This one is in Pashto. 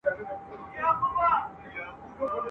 واك ضرور دئ د نااهلو حاكمانو !.